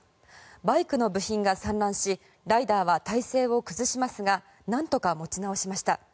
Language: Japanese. バイクの部品が散乱しライダーは体勢を崩しますがなんとか持ち直しました。